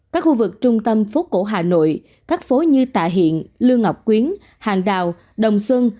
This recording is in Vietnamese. các khu vực trung tâm phố cổ hà nội các phố như tạ hiện lương ngọc quyến hàng đào đồng xuân